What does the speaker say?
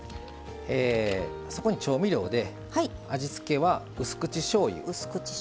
そこに調味料で味付けはうす口しょうゆ